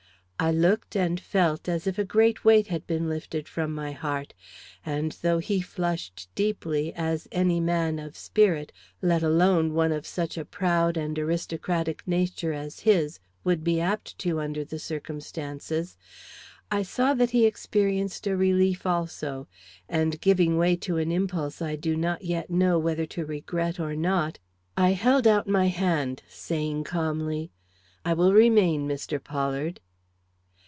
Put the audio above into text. I looked and felt as if a great weight had been lifted from my heart, and though he flushed deeply, as any man of spirit, let alone one of such a proud and aristocratic nature as his, would be apt to under the circumstances, I saw that he experienced a relief also, and giving way to an impulse I do not yet know whether to regret or not, I held out my hand, saying calmly: "I will remain, Mr. Pollard."